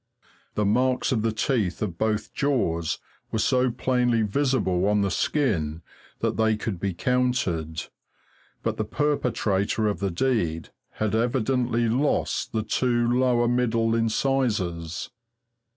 The marks of the teeth of both jaws were so plainly visible on the skin that they could be counted, but the perpetrator of the deed had evidently lost the two lower middle incisors.